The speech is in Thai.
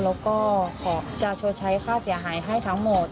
แล้วก็ขอจะชดใช้ค่าเสียหายให้ทั้งหมด